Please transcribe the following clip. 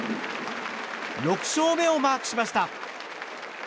６勝目をマークしました。